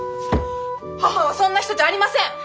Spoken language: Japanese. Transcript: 母はそんな人じゃありません！